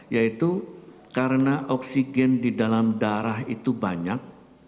yaitu karena oksigen di dalam darah itu banyak